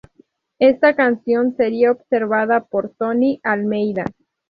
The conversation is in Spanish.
Esta acción sería observada por Tony Almeida.